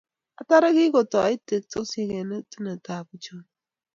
Atare, kikotoit teksosiek eng etunot ab uchumi